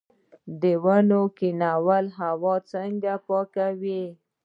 د ونو کینول هوا څنګه پاکوي؟